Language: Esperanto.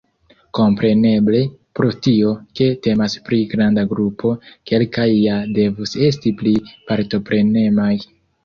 Kompreneble, pro tio, ke temas pri granda grupo, kelkaj ja devus esti pli partoprenemaj.